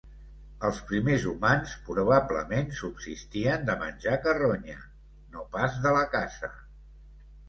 Els primers humans probablement subsistien de menjar carronya, no pas de la caça.